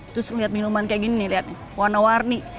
terus lihat minuman kayak gini lihat warna warni